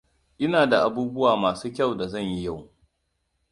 Ina da abubuwa masu kyau da zan yi yau.